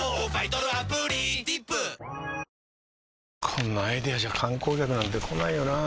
こんなアイデアじゃ観光客なんて来ないよなあ